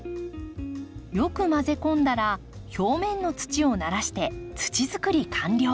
よく混ぜ込んだら表面の土をならして土づくり完了。